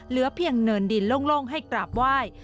เหลือเพียงเนินดินโล่งให้กราบไหว้